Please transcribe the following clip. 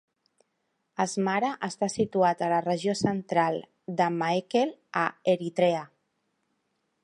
Asmara està situat a la regió central de Maekel, a Eritrea.